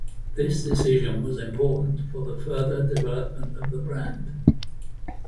This decision was important for the further development of the brand.